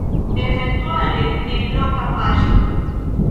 Eventuale en loka paĝo.